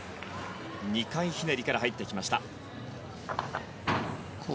２回ひねりから入ってきました。